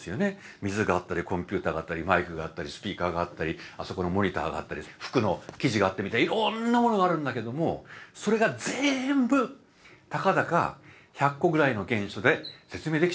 水があったりコンピューターがあったりマイクがあったりスピーカーがあったりあそこのモニターがあったり服の生地があってみたりいろんなものがあるんだけどもそれが全部たかだか１００個ぐらいの元素で説明できちゃうんだと。